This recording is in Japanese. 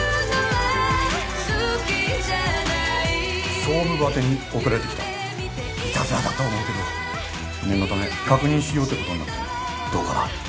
・総務部宛に送られてきたイタズラだと思うけど念のため確認しようってことになってねどうかな